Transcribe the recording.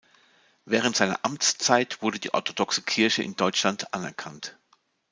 Während seiner Amtszeit wurde die orthodoxe Kirche in Deutschland anerkannt.